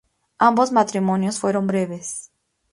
Ambos matrimonios fueron breves.